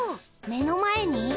目の前に？